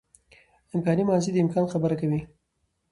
امکاني ماضي د امکان خبره کوي.